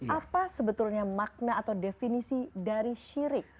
apa sebetulnya makna atau definisi dari syirik